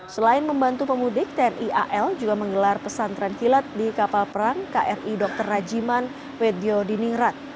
selain membantu pemudik tni al juga menggelar pesantren kilat di kapal perang kri dr rajiman weddiodiningrat